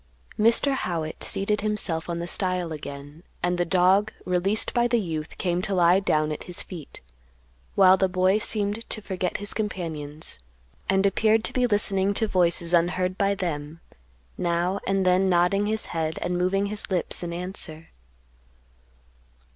Mr. Howitt seated himself on the stile again, and the dog, released by the youth, came to lie down at his feet; while the boy seemed to forget his companions, and appeared to be listening to voices unheard by them, now and then nodding his head and moving his lips in answer.